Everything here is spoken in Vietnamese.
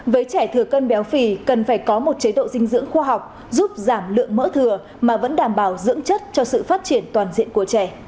với trẻ thừa cân béo phì cần phải có một chế độ dinh dưỡng khoa học giúp giảm lượng mỡ thừa mà vẫn đảm bảo dưỡng chất cho sự phát triển toàn diện của trẻ